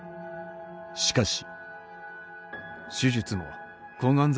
しかし。